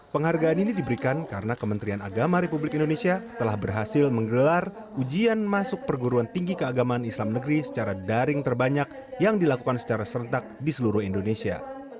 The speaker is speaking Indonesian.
penghargaan ini diberikan karena kementerian agama republik indonesia telah berhasil menggelar ujian masuk perguruan tinggi keagamaan islam negeri secara daring terbanyak yang dilakukan secara serentak di seluruh indonesia